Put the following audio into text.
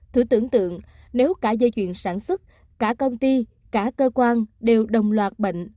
thử tưởng tượng nếu cả dây chuyền sản xuất cả công ty cả cơ quan đều đồng loạt bệnh